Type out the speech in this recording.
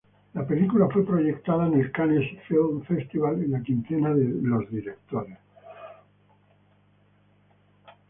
La película fue proyectada en el Cannes Film Festival en la quincena de directores.